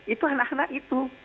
itu anak anak itu